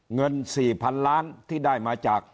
เงิน๔๐๐๐ล้านที่ได้มาจาก